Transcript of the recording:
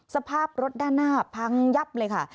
สภาพรถด้านหน้าพังยับเลยค่ะ